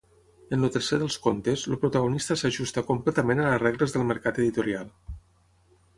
En el tercer dels contes, el protagonista s'ajusta completament a les regles del mercat editorial.